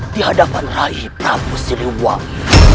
di hadapan rakyat prabu siluwang